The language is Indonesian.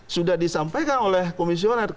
sudah disampaikan oleh komisioner